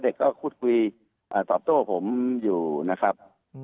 เด็กก็พูดคุยตอบโต้ผมอยู่นะครับ